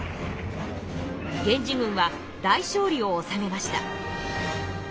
源氏軍は大勝利をおさめました。